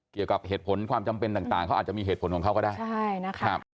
เกี่ยวกับเหตุผลความจำเป็นต่างเขาอาจจะมีเหตุผลของเขาก็ได้ใช่นะครับ